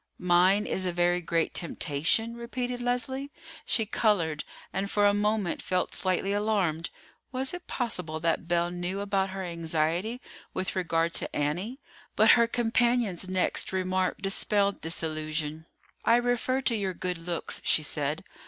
"Mine is a very great temptation!" repeated Leslie. She colored, and for a moment felt slightly alarmed. Was it possible that Belle knew about her anxiety with regard to Annie? But her companion's next remark dispelled this illusion. "I refer to your good looks," she said.